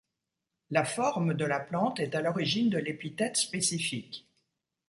La forme de la plante est à l'origine de l'épithète spécifique.